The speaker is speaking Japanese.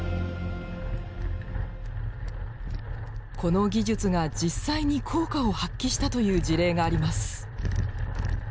この技術が実際に効果を発揮したという事例があります。